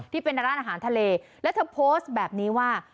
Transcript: ที่เป็นร้านอาหารทะเลแล้วเธอโพสต์แบบนี้ว่า